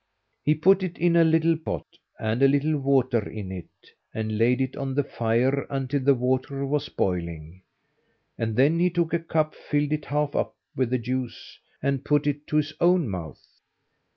He put it in a little pot and a little water in it, and laid it on the fire until the water was boiling, and then he took a cup, filled it half up with the juice, and put it to his own mouth.